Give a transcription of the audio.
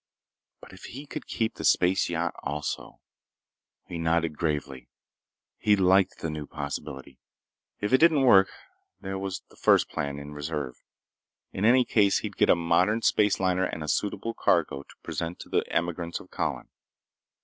But if he could keep the space yacht also— He nodded gravely. He liked the new possibility. If it didn't work, there was the first plan in reserve. In any case he'd get a modern space liner and a suitable cargo to present to the emigrants of Colin.